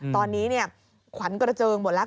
ตอนนี้ขวัญกระเจิงหมดแล้ว